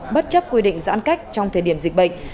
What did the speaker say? bất chấp quy định giãn cách trong thời điểm dịch bệnh